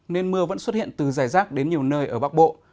nên mưa vẫn xuất hiện từ dài rác đến nhiều nơi ở bắc bộ